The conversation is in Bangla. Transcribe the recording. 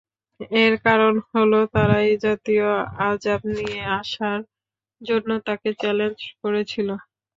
এর কারণ হল, তারা এ জাতীয় আযাব নিয়ে আসার জন্য তাঁকে চ্যালেঞ্জ করেছিল।